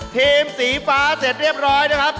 สีฟ้าเสร็จเรียบร้อยนะครับ